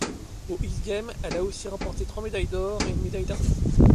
Aux X Games, elle a aussi remporté trois médailles d'or et une médaille d'argent.